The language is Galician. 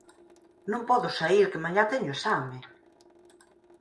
Non podo saír que mañá teño exame